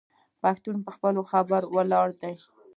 پښتون په خپله خبره ولاړ دی.